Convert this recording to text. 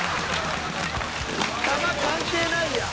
「球関係ないやん」